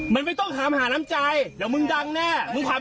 มันไม่ต้องถามหาน้ำใจเดี๋ยวมึงดังแน่